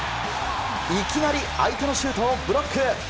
いきなり相手のシュートをブロック。